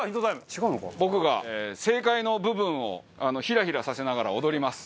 僕が正解の部分をヒラヒラさせながら踊ります。